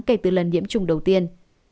kể từ lần nhiễm trùng đầu tiên